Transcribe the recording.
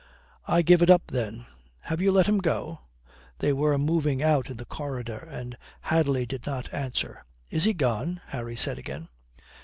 "I give it up then. Have you let him go?" They were moving out in the corridor and Hadley did not answer. "Is he gone?" Harry said again.